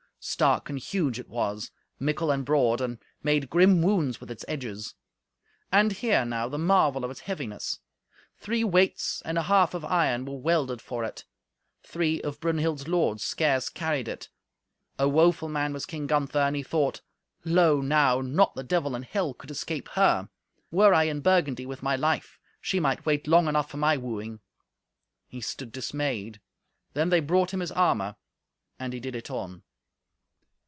Stark and huge it was, mickle and broad, and made grim wounds with its edges. And hear, now, the marvel of its heaviness. Three weights and a half of iron were welded for it. Three of Brunhild's lords scarce could carry it. A woeful man was King Gunther, and he thought, "Lo! now not the Devil in Hell could escape her. Were I in Burgundy with my life, she might wait long enough for my wooing." He stood dismayed. Then they brought him his armour, and he did it on.